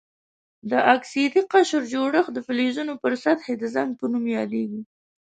د اکسایدي قشر جوړښت د فلزونو پر سطحې د زنګ په نوم یادیږي.